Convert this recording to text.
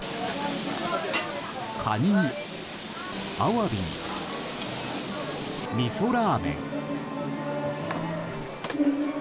カニに、アワビにみそラーメン。